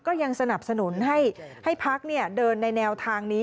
ก็ยังสนับสนุนให้พักเดินในแนวทางนี้